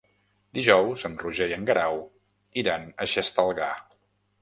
Dijous en Roger i en Guerau iran a Xestalgar.